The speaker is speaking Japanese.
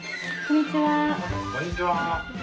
こんにちは。